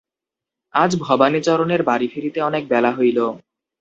আজ ভবানীচরণের বাড়ি ফিরিতে অনেক বেলা হইল।